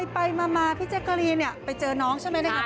ไปมาพี่เจ๊กรีนเนี่ยไปเจอน้องใช่ไหมนะคะ